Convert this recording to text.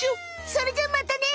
それじゃまたね！